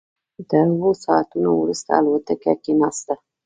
تر اوو ساعتونو وروسته الوتکه کېناسته.